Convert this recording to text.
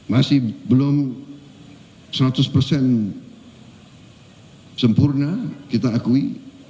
masih belum seratus persen sempurna kita akui